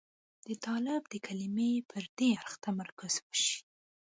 د طالب د کلمې پر دې اړخ تمرکز وشي.